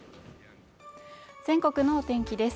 全国の天気です